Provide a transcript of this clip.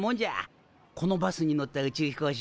このバスに乗った宇宙飛行士